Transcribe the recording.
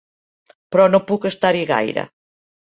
Però no puc estar-hi gaire.